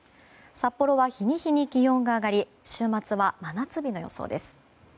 札幌は日に日に気温が上がり週末は真夏日の予想です。